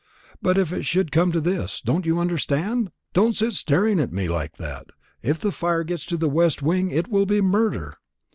But if it should come to this don't you understand? Don't sit staring at me like that. If the fire gets to the west wing, it will be murder.